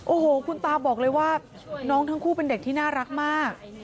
โอ้โหคุณตาบอกเลยว่าน้องทั้งคู่เป็นเด็กที่น่ารักมาก